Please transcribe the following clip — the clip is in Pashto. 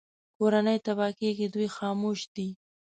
کورنۍ تباه کېږي دوی خاموش دي